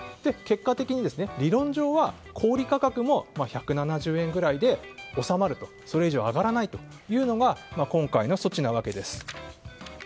結果的に理論上は小売価格も１７０円ぐらいで収まるとそれ以上、上がらないというのが今回の措置なわけです。